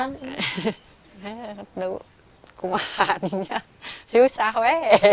nih itu kemahannya susah weh